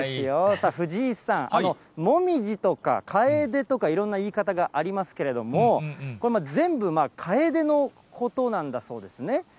さあ、藤井さん、もみじとかかえでとかいろんな言い方がありますけれども、これ、全部カエデのことなんだそうですね。